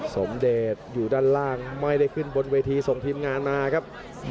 สมเดชอยู่ด้านล่างไม่ได้ขึ้นบนเวทีส่งทีมงานมาครับ